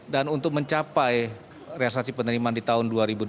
dan untuk mencapai reasasi penerimaan di tahun dua ribu dua puluh dua